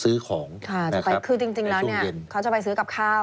คือจริงแล้วค่ะเขาจะไปซื้อกับข้าว